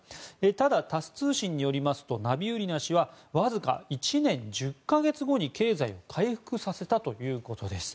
ただ、タス通信によりますとナビウリナ氏はわずか１年１０か月後に経済を回復させたということです。